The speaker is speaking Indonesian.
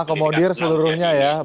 pendidikan anak usia dini